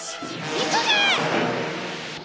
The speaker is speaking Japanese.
急げ！